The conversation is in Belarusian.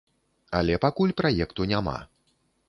Але пакуль праекту няма.